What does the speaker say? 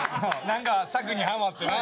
なんか柵にハマってね。